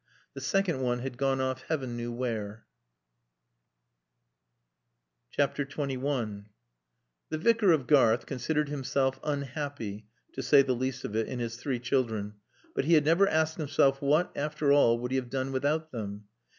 The second one had gone off heaven knew where. XXI The Vicar of Garth considered himself unhappy (to say the least of it) in his three children, but he had never asked himself what, after all, would he have done without them?